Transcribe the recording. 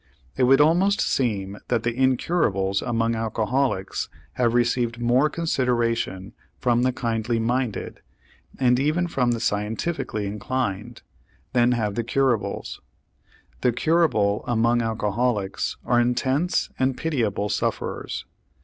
It would almost seem that the incurables among alcoholics have received more consideration from the kindly minded, and even from the scientifically inclined, than have the curables. The curable among alcoholics are intense and pitiable sufferers.